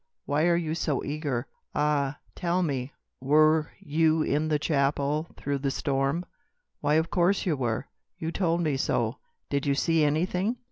why are you so eager? Ah! tell me, were you in the chapel through the storm? Why of course you were. You told me so. Did you see anything?"